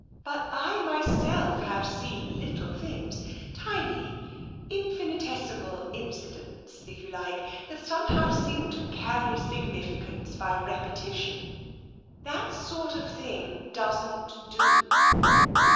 But I myself have seen little things — tiny, infinitesimal incidents, if you like — that somehow seem to carry significance by repetition. That sort of thing doesn't do."